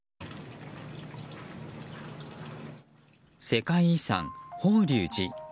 世界遺産、法隆寺。